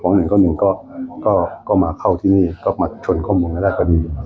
ของหนึ่งก็หนึ่งก็มาเข้าที่นี่ก็มาชนข้อมูลก็ได้กว่าดี